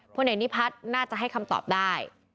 พลเอกนิพัฒน์น่าจะให้คำตอบได้